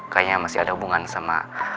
kayaknya masih ada hubungan sama